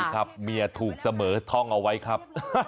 ครับเมียถูกเสมอท่องเอาไว้ครับ